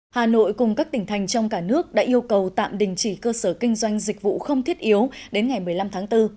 hà nội cùng các tỉnh thành trong cả nước đã yêu cầu tạm đình chỉ cơ sở kinh doanh dịch vụ không thiết yếu đến ngày một mươi năm tháng bốn